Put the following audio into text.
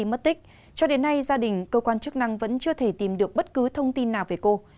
mất tích cho đến nay gia đình cơ quan chức năng vẫn chưa thể tìm được bất cứ thông tin nào về cô